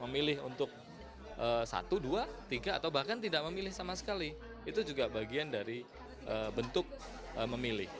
memilih untuk satu dua tiga atau bahkan tidak memilih sama sekali itu juga bagian dari bentuk memilih